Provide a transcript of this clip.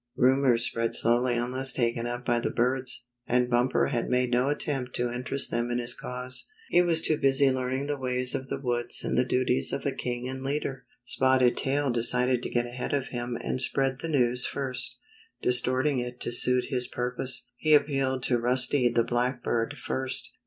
Rumors spread slowly unless taken up by the birds, and Bumper had made no attempt to interest them in his cause. He was too busy learning the ways of the woods and the duties of a king and leader. Spotted Tail decided to get ahead of him and spread the news first, distorting it to suit his purpose. He appealed to Rusty the Blackbird first.